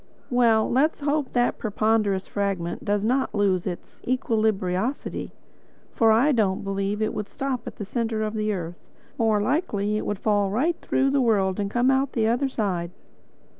Well, let us hope that the ponderous fragment does not lose its equilibriosity, for I don't believe it would stop at the centre of the earth—more likely it would fall right through the world and come out the other side."